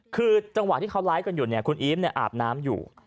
คือจังหวะที่เขาไลฟ์กันอยู่เนี่ยคุณอีฟอาบน้ำอยู่